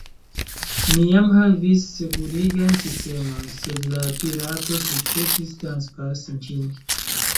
Ni jam havis sekurigan sistemon, sed la pirato sukcesis transpasi ĝin.